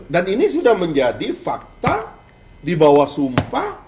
dan ini sudah menjadi fakta dibawah sumpah